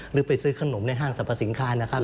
หรือไปซื้อขนมในห้างสรรพสินค้านะครับ